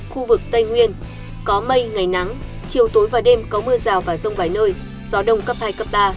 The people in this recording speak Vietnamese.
khu vực tây nguyên có mây ngày nắng chiều tối và đêm có mưa rào và rông vài nơi gió đông cấp hai cấp ba